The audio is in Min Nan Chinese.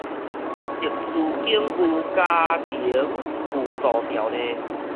特殊境遇家庭扶助條例